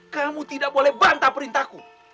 kamu tidak boleh bantah perintahku